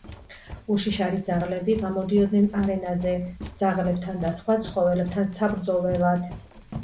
უშიშარი ძაღლები გამოდიოდნენ არენაზე ძაღლებთან და სხვა ცხოველებთან საბრძოლველად.